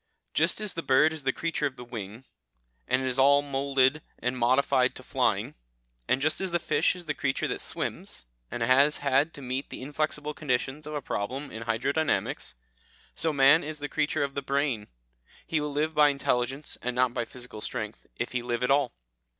"Just as the bird is the creature of the wing, and is all moulded and modified to flying, and just as the fish is the creature that swims, and has had to meet the inflexible conditions of a problem in hydrodynamics, so man is the creature of the brain; he will live by intelligence, and not by physical strength, if he live at all.